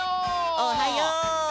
おはよう！